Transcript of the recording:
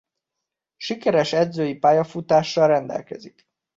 Sikeres edzői pályafutással rendelkezik.